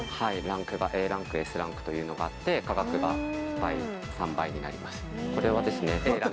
ランクがＡランクＳランクというのがあって価格が倍３倍になります。